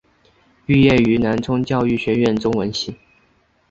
毕业于南充教育学院中文系。